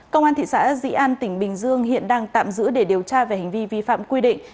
công an thị xã dĩ an tỉnh bình dương hiện đang tạm giữ để điều tra về hành vi vi phạm quy định